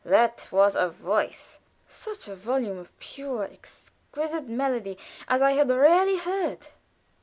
That was a voice! such a volume of pure, exquisite melody as I had rarely heard.